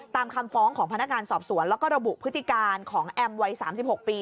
ตามคำฟ้องของพนักงานสอบสวนแล้วก็ระบุพฤติการของแอมวัย๓๖ปี